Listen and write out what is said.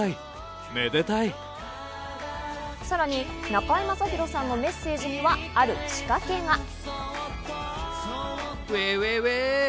さらに中居正広さんのメッセージにはある仕掛けが。